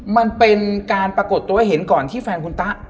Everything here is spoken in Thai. มันเป็นการปรากฏตัวให้เห็นก่อนที่แฟนคุณตะ